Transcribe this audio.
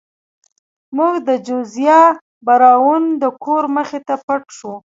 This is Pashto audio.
موږ د جوزیا براون د کور مخې ته پټ شو.